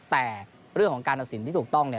แต่เรื่องของการตัดสินที่ถูกต้อง